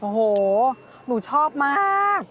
โอ้โหหนูชอบมาก